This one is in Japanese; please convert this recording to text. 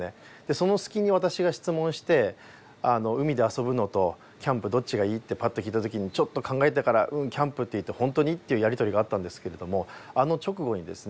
その隙に私が質問して海で遊ぶのとキャンプどっちがいい？ってパッて聞いたときにちょっと考えてからキャンプって言ってホントに？っていうやり取りがあったんですけれどもあの直後にですね